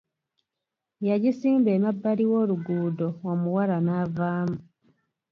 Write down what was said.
Yagisimba emabbali w'oluguudo omuwala n'avaamu.